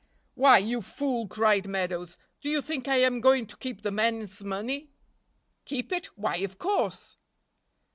"Why, you fool," cried Meadows, "do you think I am going to keep the men's money?" "Keep it? why, of course!"